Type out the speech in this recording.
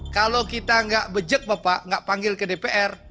kalau kita gak bejek bapak gak panggil ke dpr